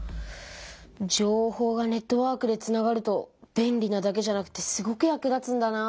情報がネットワークでつながると便利なだけじゃなくてすごく役立つんだなあ。